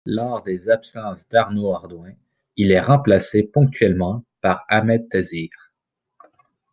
Lors des absences d'Arnaud Ardoin, il est remplacé, ponctuellement, par Ahmed Tazir.